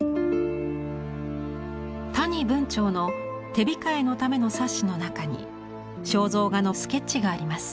谷文晁の手控えのための冊子の中に肖像画のスケッチがあります。